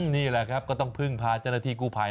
นี่แหละครับก็ต้องพึ่งพาเจ้าหน้าที่กู้ภัย